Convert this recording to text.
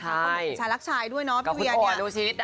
ก็หนุ่มชายลักชายด้วยเนาะพี่เวีย